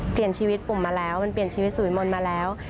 เปลี่ยนชีวิตปุ่มมาแล้วมันเปลี่ยนชีวิตสวยมนต์มาแล้ว